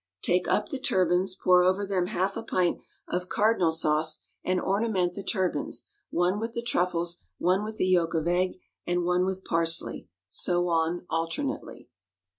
Take up the turbans, pour over them half a pint of cardinal sauce, and ornament the turbans, one with the truffles, one with the yolk of egg, and one with parsley; so on alternately.